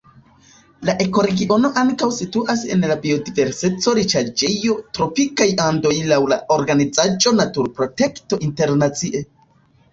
La ekoregiono ankaŭ situas en la biodiverseco-riĉaĵejo Tropikaj Andoj laŭ la organizaĵo Naturprotekto Internacie.